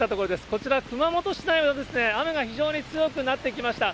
こちら、熊本市内はですね、雨が非常に強くなってきました。